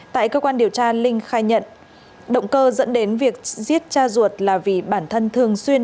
tại cơ quan điều tra linh khai nhận động cơ dẫn đến việc giết cha ruột là vì bản thân thường xuyên